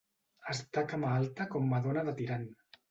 Estar cama alta com Madona de Tirant.